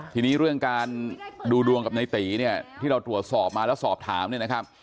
ทีนี้เรื่องการดูดวงกับในตีเนี่ยที่เราตรวจสอบมาแล้วสอบถามเนี่ยนะครับ